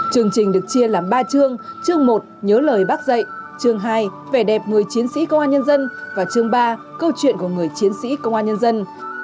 chương trình được chia làm ba chương chương một nhớ lời bác dạy chương hai vẻ đẹp người chiến sĩ công an nhân dân và chương ba câu chuyện của người chiến sĩ công an nhân dân